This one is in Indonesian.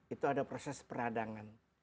itu ada proses peradangan